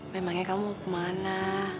memangnya kamu mau kemana